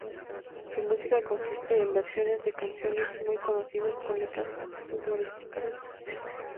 Su música consiste en versiones de canciones muy conocidas con letras humorísticas.